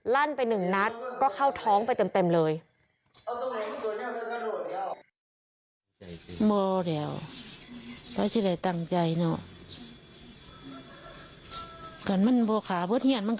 ลั่นไปหนึ่งนัดก็เข้าท้องไปเต็มเลย